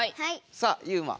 さあユウマ。